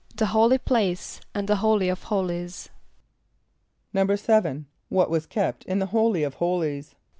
=The holy place, and the holy of holies.= =7.= What was kept in the holy of holies?